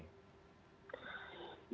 ya jadi sekali lagi